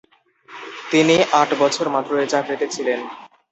তিনি আট বছর মাত্র এই চাকরিতে ছিলেন।